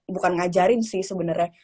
bukan ngajarin sih sebenernya